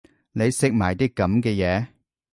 你食埋啲噉嘅嘢